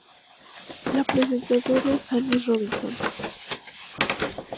La presentadora es Anne Robinson.